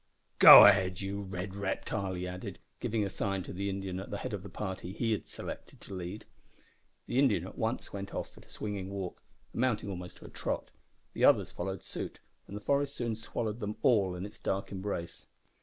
"Go ahead, you red reptile," he added, giving a sign to the Indian at the head of the party he had selected to lead. The Indian at once went off at a swinging walk, amounting almost to a trot. The others followed suit and the forest soon swallowed them all in its dark embrace.